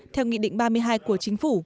theo nghị định ba mươi hai của chính phủ